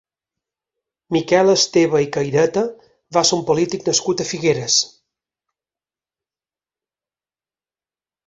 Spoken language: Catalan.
Miquel Esteba i Caireta va ser un polític nascut a Figueres.